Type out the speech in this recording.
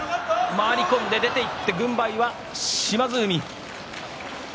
回り込んで出ていって軍配は島津海。